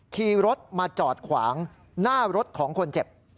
ขี่รถมาจอดขวางหน้ารถของคนเจ็บ